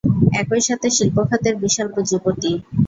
একইসাথে শিল্পখাতের বিশাল পুঁজিপতি।